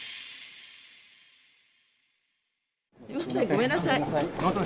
ごめんなさい。